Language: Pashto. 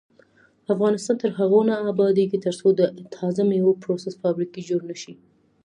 افغانستان تر هغو نه ابادیږي، ترڅو د تازه میوو پروسس فابریکې جوړې نشي.